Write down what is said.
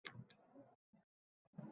Izlardi yosh go’zallar.